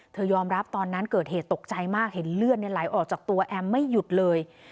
ยอมรับตอนนั้นเกิดเหตุตกใจมากเห็นเลือดไหลออกจากตัวแอมไม่หยุดเลย